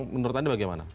menurut anda bagaimana